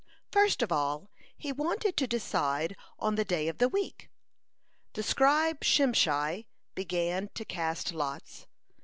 First of all he wanted to decide on the day of the week. The scribe Shimshai began to cast lots.